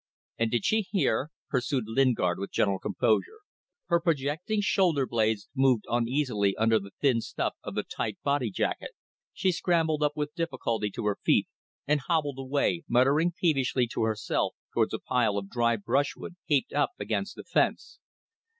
"And did she hear?" pursued Lingard, with gentle composure. Her projecting shoulder blades moved uneasily under the thin stuff of the tight body jacket. She scrambled up with difficulty to her feet, and hobbled away, muttering peevishly to herself, towards a pile of dry brushwood heaped up against the fence.